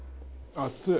熱い！